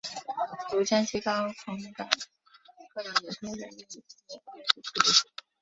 如江西高腔的各种演出仍以演历史戏为主。